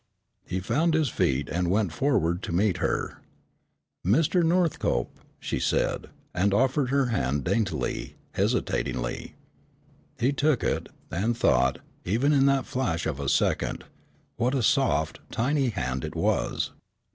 He found his feet, and went forward to meet her. "Mr. Northcope," she said, and offered her hand daintily, hesitatingly. He took it, and thought, even in that flash of a second, what a soft, tiny hand it was.